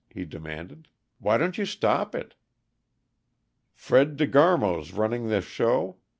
he demanded. "Why don't you stop it?" "Fred De Garmo's running this show.